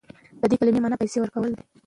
د دې کلمې معنی پیسې ورکول دي.